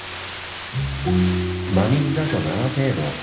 真水だと７程度。